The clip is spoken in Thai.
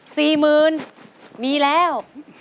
สี่หมื่นมีแล้ว